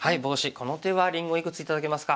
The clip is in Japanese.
この手はりんごいくつ頂けますか？